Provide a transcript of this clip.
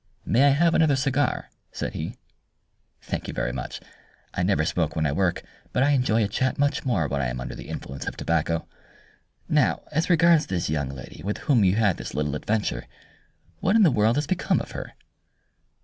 "May I have another cigar?" said he. "Thank you very much! I never smoke when I work, but I enjoy a chat much more when I am under the influence of tobacco. Now, as regards this young lady, with whom you had this little adventure. What in the world has become of her?"